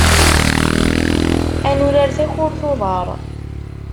Ad nurar takurt n uḍar.